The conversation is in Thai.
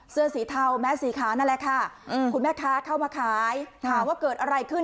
เสื้อสีเทาแม้สีขาวนั่นแหละค่ะคุณแม่ค้าเข้ามาขายถามว่าเกิดอะไรขึ้น